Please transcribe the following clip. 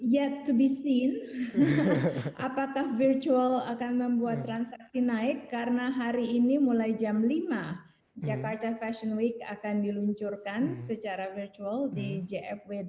yet to besi apakah virtual akan membuat transaksi naik karena hari ini mulai jam lima jakarta fashion week akan diluncurkan secara virtual di jfw